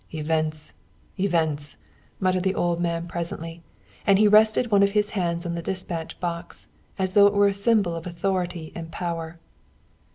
"Events! Events!" muttered the old man presently, and he rested one of his hands upon the despatch box, as though it were a symbol of authority and power.